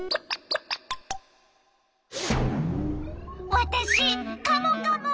わたしカモカモ！